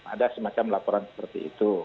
ada semacam laporan seperti itu